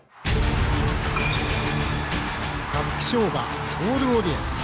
皐月賞馬、ソールオリエンス。